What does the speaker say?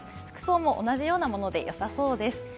服装も同じようなもので良さそうです。